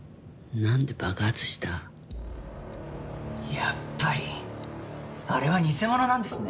やっぱりあれは偽物なんですね？